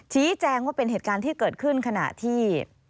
ชี้แจงว่าเป็นเหตุการณ์ที่เกิดขึ้นขณะที่